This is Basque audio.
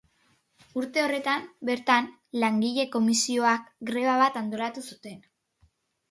Urte horretan bertan Langile Komisioak greba bat antolatu zuen.